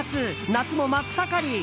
夏も真っ盛り。